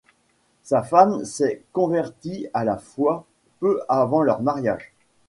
Sa femme s'est convertie à la foi peu avant leur mariage.